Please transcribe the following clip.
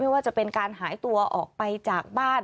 ว่าจะเป็นการหายตัวออกไปจากบ้าน